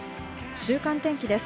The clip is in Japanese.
週間天気です。